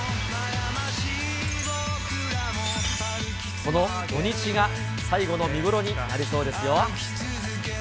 この土日が最後の見頃になりそうですよ。